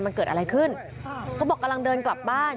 มันเกิดอะไรขึ้นเขาบอกกำลังเดินกลับบ้าน